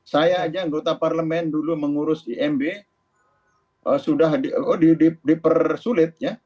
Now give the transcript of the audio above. saya aja anggota parlemen dulu mengurus imb sudah dipersulit